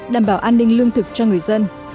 đảm bảo an ninh lương thực cho người dân